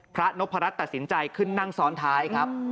นพรัชตัดสินใจขึ้นนั่งซ้อนท้ายครับ